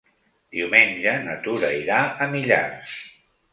Diumenge na Tura irà a Millars.